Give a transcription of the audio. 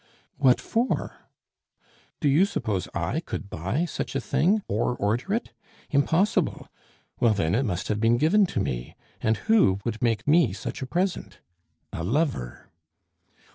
"What for?" "Do you suppose I could buy such a thing, or order it? Impossible! Well, then, it must have been given to me. And who would make me such a present? A lover!"